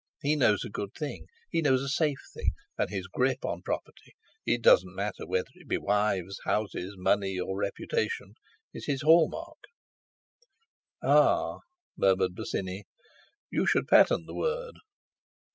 He knows a good thing, he knows a safe thing, and his grip on property—it doesn't matter whether it be wives, houses, money, or reputation—is his hall mark." "Ah!" murmured Bosinney. "You should patent the word."